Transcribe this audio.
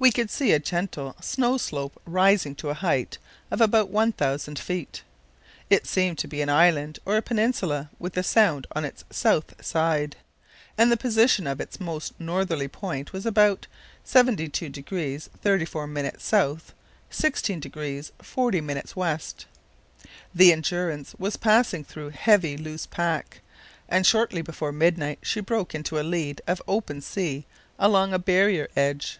We could see a gentle snow slope rising to a height of about one thousand feet. It seemed to be an island or a peninsula with a sound on its south side, and the position of its most northerly point was about 72° 34´ S., 16° 40´ W. The Endurance was passing through heavy loose pack, and shortly before midnight she broke into a lead of open sea along a barrier edge.